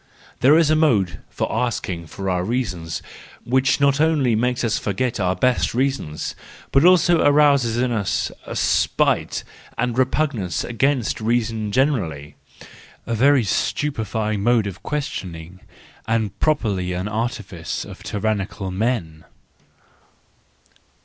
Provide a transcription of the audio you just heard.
—There is a mode of asking for our reasons which not only makes us forget our best reasons, but also arouses in us a spite and repugnance against reason generally:— a very stupefying mode of questioning, and properly an artifice of tyrannical men